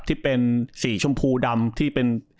ที่เป็นสีชมพูดำที่เป็น